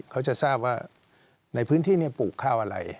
เขาจะทราบว่าในพื้นที่ปลูกข้าวอะไร